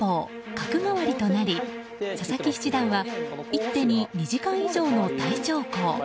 角換わりとなり佐々木七段は１手に２時間以上の大長考。